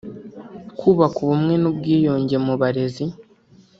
kubaka ubumwe n’ubwiyunge mu barezi